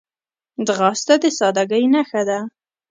ځغاسته د سادګۍ نښه ده